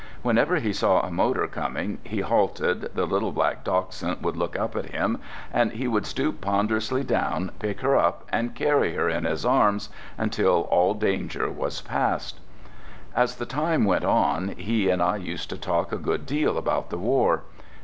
Whenever he saw a motor coming he halted, the little black dachshund would look up at him, and he would stoop ponderously down, pick her up and carry her in his arms until all danger was past. As the time went on he and I used to talk a good deal about the war.